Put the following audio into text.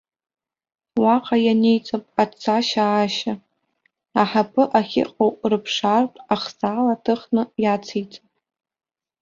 Уаҟа ианиҵап ацашьааашьа, аҳаԥы ахьыҟоу рыԥшаартә ахсаала ҭыхны иациҵап.